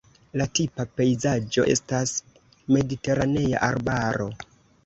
La tipa pejzaĝo estas mediteranea arbaro.